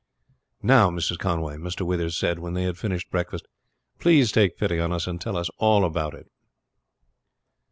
"Now, Mrs. Conway," Mr. Withers said when they had finished breakfast, "please take pity on us and tell us all about it."